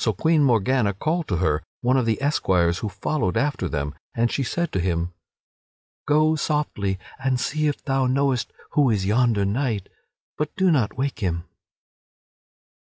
So Queen Morgana called to her one of the esquires who followed after them, and she said to him: "Go softly and see if thou knowest who is yonder knight; but do not wake him."